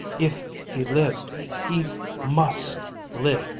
If he lived! He must live!